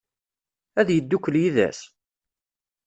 Ad yeddukel yid-s?